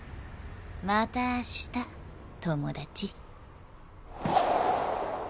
またあした友達。